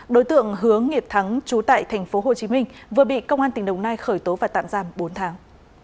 đối tượng hướng nghiệp thắng chú tại tp hcm vừa bị công an tỉnh đồng nai khởi tố và tạm giam bốn tháng